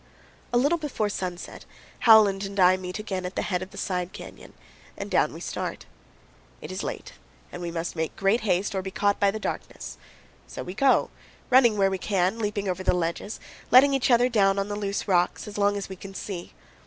193 A little before sunset Howland and I meet again at the head of the side canyon, and down we start. It is late, and we must make great haste or be caught by the darkness; so we go, running where we can, leaping over the ledges, letting each other down on the loose rocks, as long as we can see.